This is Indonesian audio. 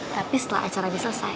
tapi setelah acaranya selesai